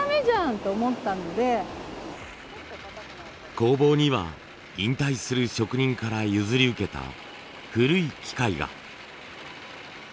工房には引退する職人から譲り受けた古い機械が。